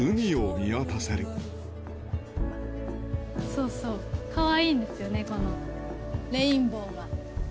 そうそう、かわいいんですよね、このレインボーが。